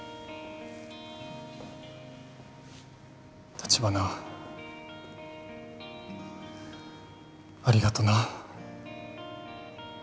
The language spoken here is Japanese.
立花ありがとな